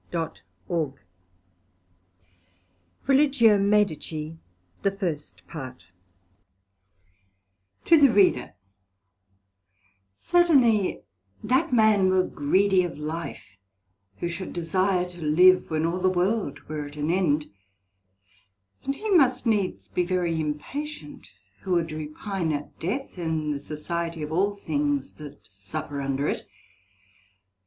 T. B. Norwich, March 3, 1642. TO THE READER Certainly that man were greedy of Life, who should desire to live when all the world were at an end; and he must needs be very impatient, who would repine at death in the society of all things that suffer under it.